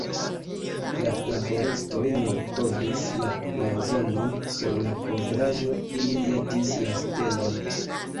La laboristoj nur kovris la blazonon, sur la kovraĵo ili metis la stelon.